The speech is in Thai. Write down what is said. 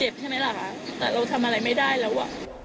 แต่เราทำอะไรไม่ได้แล้ว